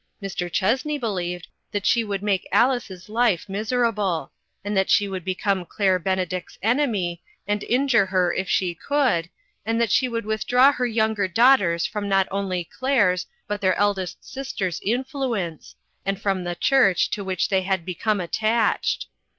Mr. Chessney believed that she would make Alice's life miserable ; that she would be come Claire Benedict's enemy, and injure her if she could, and that she would with draw her younger daughters from not only Claire's, but their eldest sister's influence, and from the church to which they had be come attached.